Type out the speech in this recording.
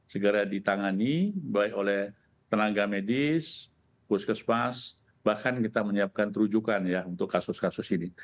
segera ditangani baik oleh tenaga medis puskesmas bahkan kita menyiapkan terujukan ya untuk kasus kasus ini